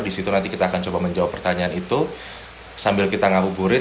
di situ nanti kita akan menjawab pertanyaan itu sambil kita ngabur gurit